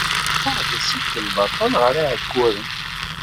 Rebḥeɣ-d assikel baṭel ɣer Iɛekkuren.